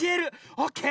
オーケー。